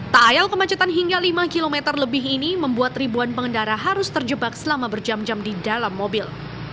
tak ayal kemacetan hingga lima km lebih ini membuat ribuan pengendara harus terjebak selama berjam jam di dalam mobil